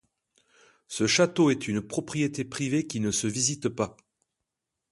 Ce château est une propriété privée qui ne se visite pas.